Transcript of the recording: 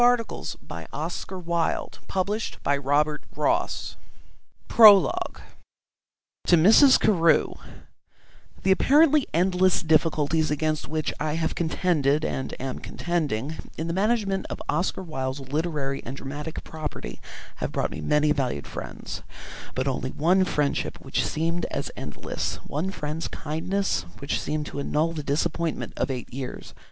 edition by David Price, email ccx074@coventry.ac.uk REVIEWS To Mrs. CAREW The apparently endless difficulties against which I have contended, and am contending, in the management of Oscar Wilde's literary and dramatic property have brought me many valued friends; but only one friendship which seemed as endless; one friend's kindness which seemed to annul the disappointments of eight years.